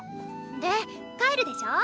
で帰るでしょ？